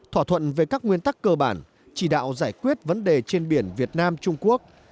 thỏa thuận về các nguyên tắc cơ bản chỉ đạo giải quyết vấn đề trên biển việt nam trung quốc